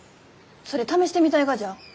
それ試してみたいがじゃ。